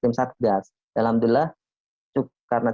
alhamdulillah karena tim satgas ini saya bisa melakukan prosesnya